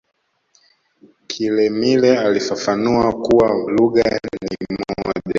kilemile alifafanua kuwa lugha ni moja